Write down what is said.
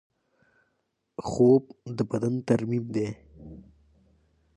خوب د بدن ترمیم دی.